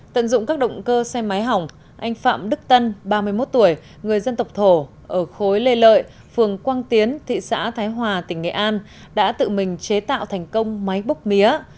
tận dụng các động cơ xe máy hỏng anh phạm đức tân ba mươi một tuổi người dân tộc thổ ở khối lê lợi phường quang tiến thị xã thái hòa tỉnh nghệ an đã tự mình chế tạo thành công máy bốc mía